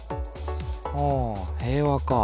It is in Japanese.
ああ平和かあ。